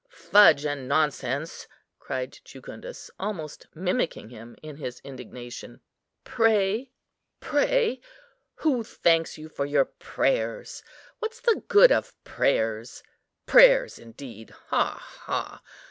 fudge and nonsense!" cried Jucundus, almost mimicking him in his indignation; "pray! who thanks you for your prayers? what's the good of prayers? Prayers, indeed! ha, ha!